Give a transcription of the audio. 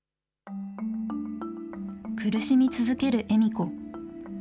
苦しみ続ける笑子。